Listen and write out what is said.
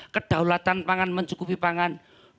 kedaulatan pangan mencukupi pangan